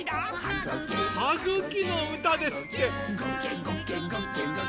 「ハグキのうた」ですって。